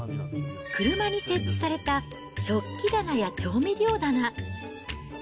車に設置された食器棚や調味料棚。